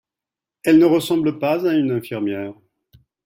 Ellen ne ressemble pas à une infirmière.